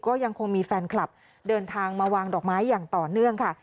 ก็ยังคงมีแฟนคลับเดินทางมาวางดอกไม้อย่างต่อเนื่องค่ะ